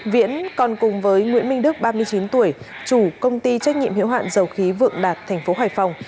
viễn còn cùng với nguyễn minh đức ba mươi chín tuổi chủ công ty trách nhiệm hiệu hạn dầu khí vượng đạt tp hcm